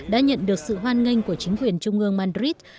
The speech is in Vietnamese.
đã nhận được sự hoan nghênh của chính quyền trung ương madrid